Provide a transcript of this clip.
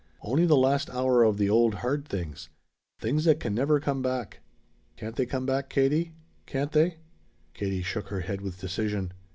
"Only the last hour of the old hard things. Things that can never come back." "Can't they come back, Katie? Can't they?" Katie shook her head with decision.